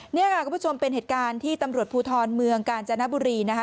นี่ค่ะคุณผู้ชมเป็นเหตุการณ์ที่ตำรวจภูทรเมืองกาญจนบุรีนะคะ